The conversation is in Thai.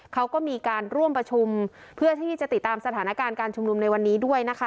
เขาก็มีการร่วมประชุมเพื่อที่จะติดตามสถานการณ์การชุมนุมในวันนี้ด้วยนะคะ